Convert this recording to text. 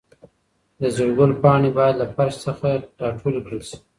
د زېړ ګل پاڼې باید له فرش څخه راټولې کړل شي.